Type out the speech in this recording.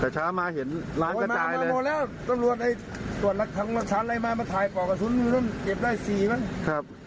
แต่ช้ามาเห็นร้านกระจายเลยโดยมามาแล้วตำรวจไอ้ตรวจรักษ์ทางรักษัตริย์ไล่มามาถ่ายป่าวกระชุนเก็บได้๔มั้ง